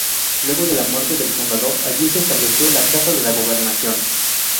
Luego de la muerte del fundador, allí se estableció la Casa de la Gobernación.